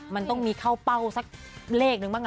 มันต้องมีเข้าเป้าสักเลขนึงบ้าง